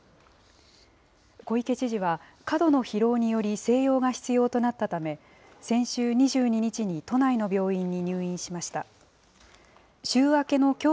小池知事は、過度の疲労により、静養が必要となったため、先週２２日に都内の病院に入院しました。